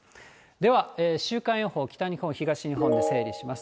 では週間予報、北日本、東日本で整理します。